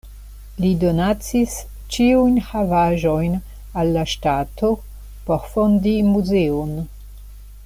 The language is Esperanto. Li donacis ĉiujn havaĵojn al la ŝtato, por fondi muzeon.